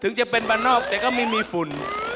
ถึงจะเป็นบ้านนอกแต่ก็ไม่มีฝุ่น